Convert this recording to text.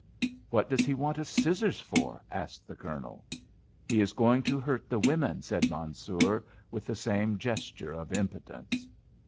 "What does he want a scissors for?" asked the Colonel. "He is going to hurt the women," said Mansoor, with the same gesture of impotence.